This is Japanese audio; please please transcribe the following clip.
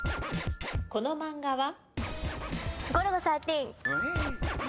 この漫画は？